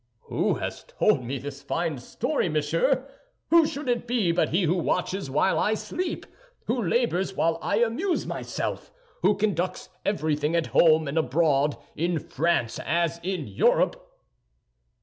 "Who has told me this fine story, monsieur? Who should it be but he who watches while I sleep, who labors while I amuse myself, who conducts everything at home and abroad—in France as in Europe?"